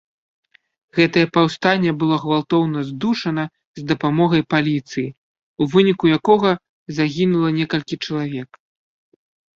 Гэтае паўстанне было гвалтоўна здушана з дапамогай паліцыі, у выніку якога загінула некалькі чалавек.